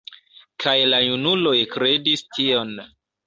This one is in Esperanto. Kaj la junuloj kredis tion.